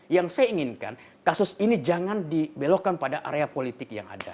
yang saya inginkan kasus ini jangan dibelokkan pada area politik yang ada